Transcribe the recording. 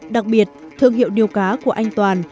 đặc biệt thương hiệu điêu cá của anh toàn